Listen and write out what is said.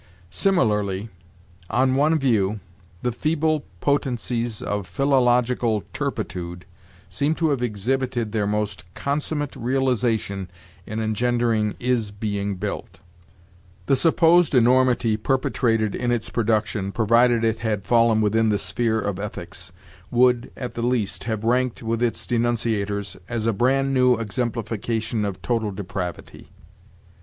Similarly, on one view, the feeble potencies of philological turpitude seem to have exhibited their most consummate realization in engendering is being built. The supposed enormity perpetrated in its production, provided it had fallen within the sphere of ethics, would, at the least, have ranked, with its denunciators, as a brand new exemplification of total depravity.